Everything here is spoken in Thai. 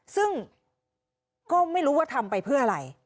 ซึ่งก็ไม่รู้ว่าทำไปเพื่ออะไร